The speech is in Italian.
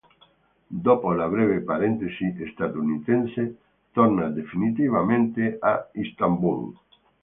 Dopo la breve parentesi statunitense, torna definitivamente a Istanbul.